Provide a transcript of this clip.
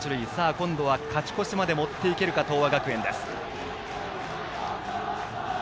今度は勝ち越しまで持っていけるか東亜学園です。